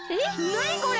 なにこれ！？